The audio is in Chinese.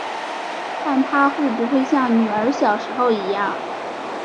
看她会不会像女儿小时候一样